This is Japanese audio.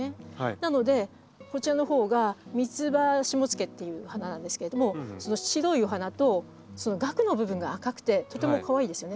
なのでこちらのほうが「ミツバシモツケ」っていう花なんですけれどもその白いお花とがくの部分が赤くてとてもかわいいですよね。